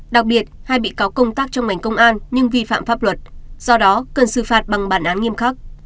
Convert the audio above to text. đặc biệt hai bị cáo công tác trong ngành công an nhưng vi phạm pháp luật do đó cần xử phạt bằng bản án nghiêm khắc